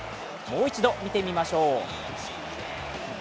もう一度見てみましょう。